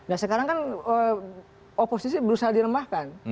nah sekarang kan oposisi berusaha diremahkan